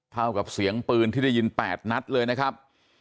เท่ากับเสียงปืนที่ได้ยิน๘นัดเลยนะครับ